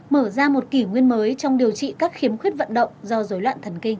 mở ra một kỷ nguyên mới trong điều trị các khiếm khuyết vận động do dối loạn thần kinh